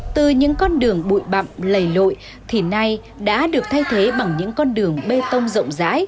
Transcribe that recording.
từ những con đường bụi bậm lầy lội thì nay đã được thay thế bằng những con đường bê tông rộng rãi